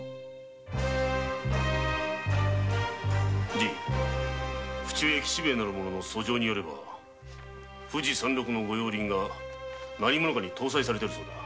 この府中屋吉兵ヱなる者の訴状によれば富士山ろくの御用林が何者かに盗伐されているそうだ。